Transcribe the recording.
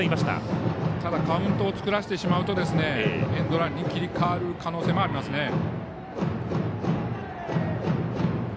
ただ、カウントを作らせてしまうとエンドランに切り替わる可能性もありますね。